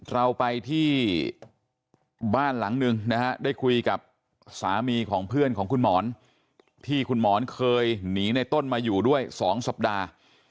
เราไปที่บ้านหลังหนึ่งนะฮะได้คุยกับสามีของเพื่อนของคุณหมอนที่คุณหมอนเคยหนีในต้นมาอยู่ด้วย๒สัปดาห์